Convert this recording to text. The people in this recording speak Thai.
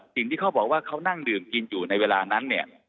สิ่งที่เขาบอกว่าเขานั่งดื่มกินอยู่ในเวลานั้นเนี่ย